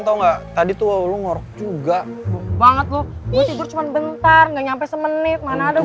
tau nggak tadi tuh lu ngorok juga banget lu tidur cuma bentar nggak nyampe semenit mana